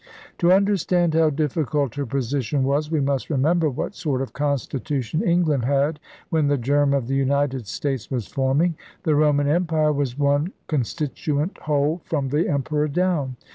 To understand how difficult her position was we must remember what sort of constitution England had when the germ of the United States was forming. The Roman Empire was one constituent whole from the emperor down.